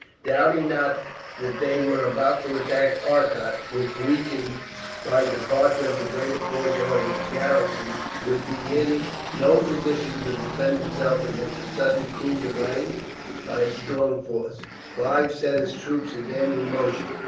Doubting not that they were about to attack Arcot, which, weakened by the departure of the greater portion of its garrison, would be in no position to defend itself against a sudden coup de main by a strong force, Clive set his troops again in motion.